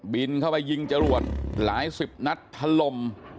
บินเข้าไปยิงจรวดหลายสิบนัดทะลม